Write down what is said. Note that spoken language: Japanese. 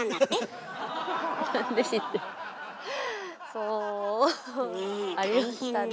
そうありましたね。